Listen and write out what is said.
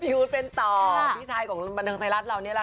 พี่อุ๊ดเป็นต่อพี่ชายของบรรถเลี้ยงไทยราศร้านของเรา